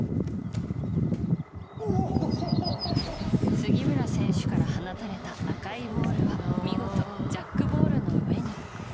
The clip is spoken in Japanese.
杉村選手から放たれた赤いボールは見事、ジャックボールの上に。